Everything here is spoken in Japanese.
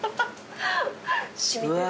染みてる。